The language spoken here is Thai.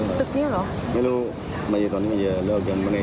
ส่วนของวางทิ้งแถวนี้